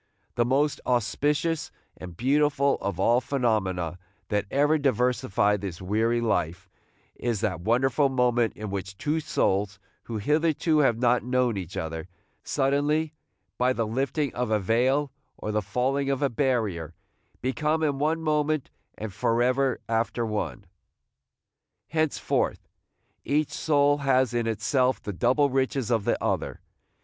The most auspicious and beautiful of all phenomena that ever diversify this weary life is that wonderful moment in which two souls, who hitherto have not known each other, suddenly, by the lifting of a veil or the falling of a barrier, become in one moment and forever after one. Henceforth each soul has in itself the double riches of the other.